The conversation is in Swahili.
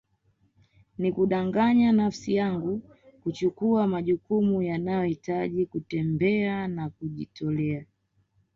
Ni kudanganya nafsi yangu kuchukua majukumu yanayohitaji kutembea na kujitolea